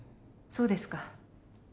そうですか。